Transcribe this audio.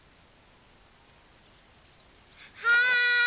はい！